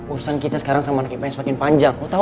urusan kita sekarang sama anak ips makin panjang lo tau gak